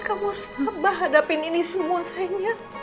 kamu harus abah hadapin ini semua sayangnya